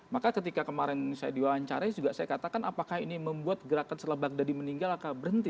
maka ketika kemarin saya diwawancarai juga saya katakan apakah ini membuat gerakan selebak dadi meninggal akan berhenti